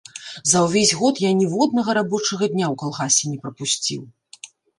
За ўвесь год я ніводнага рабочага дня ў калгасе не прапусціў.